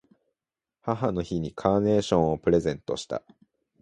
母の日にカーネーションをプレゼントした。